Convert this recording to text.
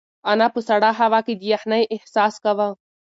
انا په سړه هوا کې د یخنۍ احساس کاوه.